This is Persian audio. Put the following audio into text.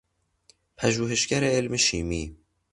پژوهشگر علم شیمی